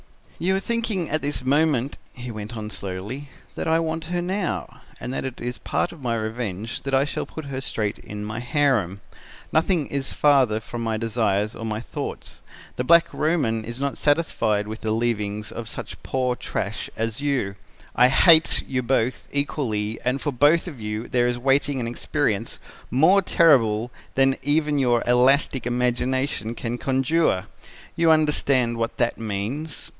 "'You are thinking at this moment,' he went on slowly, 'that I want her now, and that it is part of my revenge that I shall put her straight in my harem. Nothing is farther from my desires or my thoughts. The Black Roman is not satisfied with the leavings of such poor trash as you. I hate you both equally and for both of you there is waiting an experience more terrible than even your elastic imagination can conjure. You understand what that means!'